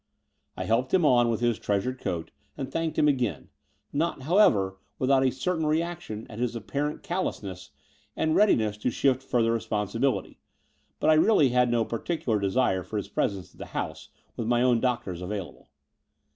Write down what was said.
I hdped him on with his treasured coat and thanked him again, not, however, without a certain reaction at his apparent callousness and readiness to shift further responsibility; but I really had no particular desire for his presence at the house, with my own doctors available.